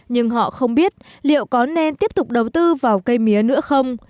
nhưng họ không biết liệu có nên tiếp tục đầu tư vào cây mía nữa không